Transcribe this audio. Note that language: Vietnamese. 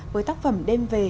với tác phẩm đêm về